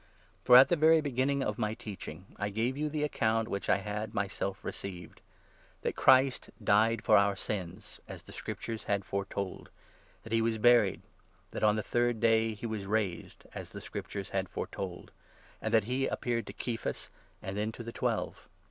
For at the very beginning of my teaching I gave 3 you the account which I had myself received — that Christ died for our sins (as the Scriptures had foretold), that he was 4 buried, that on the third day he was raised (as the Scriptures had foretold), and that he appeared to Kephas, and then to the 5 Twelve.